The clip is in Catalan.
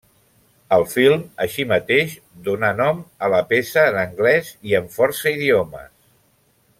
El film, així mateix, donà nom a la peça en anglès i en força idiomes.